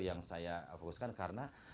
yang saya fokuskan karena